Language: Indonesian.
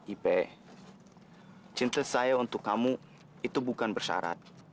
ipe cinta saya untuk kamu itu bukan bersyarat